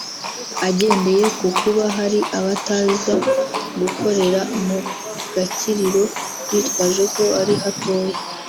Agendeye ku kuba hari abataza gukorera mu gakiriro bitwaje ko ari hatoya